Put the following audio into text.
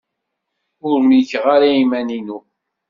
Ur mlikeɣ ara iman-inu.